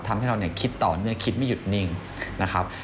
ทำให้เราเนี่ยคิดต่อเนื่องคิดไม่หยุดนิ่งนะครับ